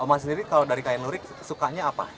oma sendiri kalau dari kain lurik sukanya apa